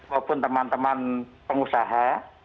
maupun teman teman pengusaha